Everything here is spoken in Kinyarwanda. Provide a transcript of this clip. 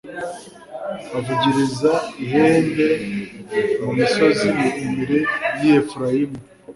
avugiriza ihembe mu misozi miremire y'i efurayimu